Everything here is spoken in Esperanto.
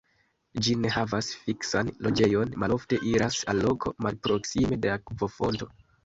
Ĝi ne havas fiksan loĝejon, malofte iras al loko malproksime de akvofonto.